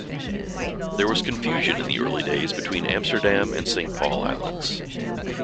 There was confusion in the early days between Amsterdam and Saint Paul Islands.